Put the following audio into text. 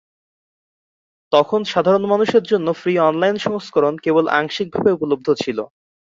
তখন সাধারণ মানুষের জন্য ফ্রি অনলাইন সংস্করণ কেবল আংশিকভাবে উপলব্ধ ছিল।